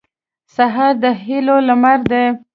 سهار د هیلو لمر دی.